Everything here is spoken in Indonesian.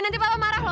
nanti papa marah lho